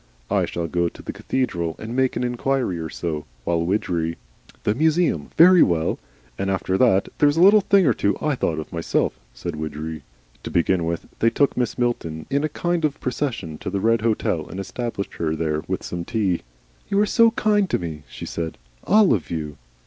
I shall go to the cathedral and make an inquiry or so, while Widgery " "The museum. Very well. And after that there's a little thing or two I've thought of myself," said Widgery. To begin with they took Mrs. Milton in a kind of procession to the Red Hotel and established her there with some tea. "You are so kind to me," she said. "All of you."